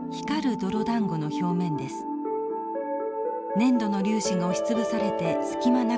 粘土の粒子が押しつぶされて隙間なく